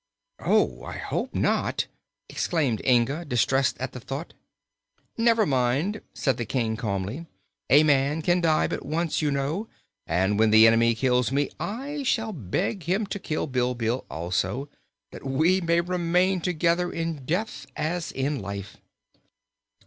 "Oh, I hope not!" exclaimed Inga, distressed at the thought. "Never mind," said the King calmly, "a man can die but once, you know, and when the enemy kills me I shall beg him to kill Bilbil, also, that we may remain together in death as in life."